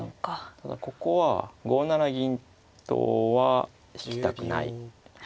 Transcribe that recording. ただここは５七銀とは引きたくない。